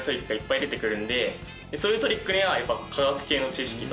そういうトリックにはやっぱ。